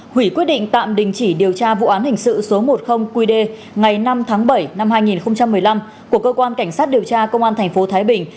hủy quyết định tạm đình chỉ điều tra vụ án hình sự số một mươi qd ngày năm tháng bảy năm hai nghìn một mươi năm của cơ quan cảnh sát điều tra công an tp thái bình